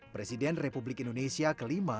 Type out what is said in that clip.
presiden republik indonesia kelima